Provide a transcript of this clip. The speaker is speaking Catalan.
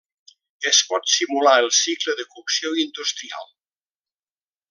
Es pot simular el cicle de cocció industrial.